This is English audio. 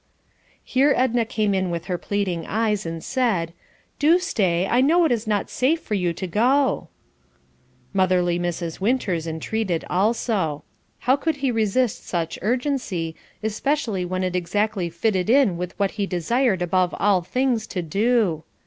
Here Edna came in with her pleading eyes and, "Do stay; I know it is not safe for you to go." Motherly Mrs. Winters entreated also. How could he resist such urgency, especially when it exactly fitted in with what he desired above all things to do.